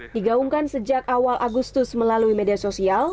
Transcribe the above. digaungkan sejak awal agustus melalui media sosial